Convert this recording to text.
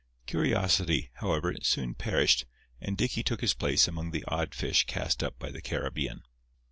Curiosity, however, soon perished; and Dicky took his place among the odd fish cast up by the Caribbean.